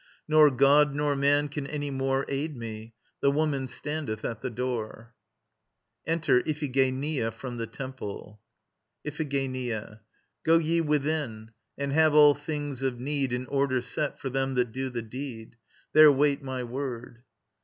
Nor god nor man can any more Aid me. The woman standeth at the door. [enter IPHIGENIA from the Temple.] IPHIGENIA. Go ye within; and have all things of need In order set for them that do the deed. There wait my word.